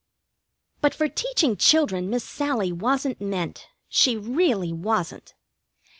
But for teaching children Miss Sallie wasn't meant. She really wasn't.